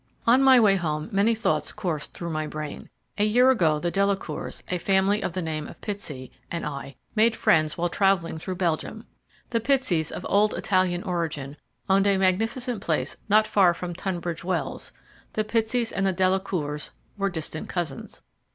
On my way home many thoughts coursed through my brain. A year ago the Delacours, a family of the name of Pitsey, and I had made friends when travelling through Belgium. The Pitseys, of old Italian origin, owned a magnificent place not far from Tunbridge Wells the Pitseys and the Delacours were distant cousins.